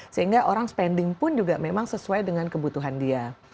sehingga orang spending pun juga memang sesuai dengan kebutuhan dia